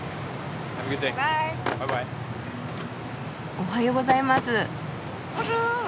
おはようございます。